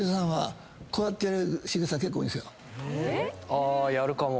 あやるかも。